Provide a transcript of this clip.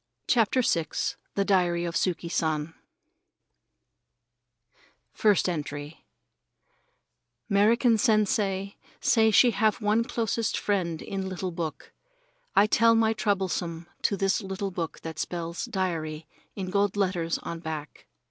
CHAPTER VI THE DIARY OF YUKI SAN First Entry 'Merican Sensei say she have one closest friend in little book. I tell my troublesome to this little book what spells "Diary" in gold letters on back.